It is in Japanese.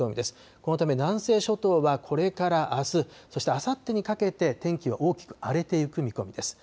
このため、南西諸島はこれからあす、そしてあさってにかけて天気は大きく荒れていく見込みです。